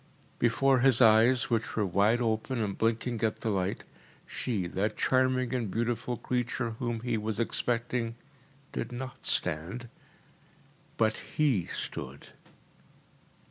Before his eyes, which were wide open and blinking at the light, she, that charming and beautiful creature whom he was expecting, did not stand, but HE stood.